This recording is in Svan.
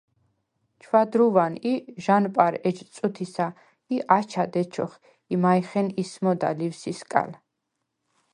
ჩვადრუვან ი ჟ’ანპარ ეჯ წუთისა ი აჩად ეჩოხ, იმა̈ჲხენ ისმოდა ლივსისკა̈ლ.